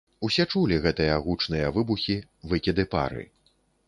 Усе чулі гэтыя гучныя выбухі, выкіды пары.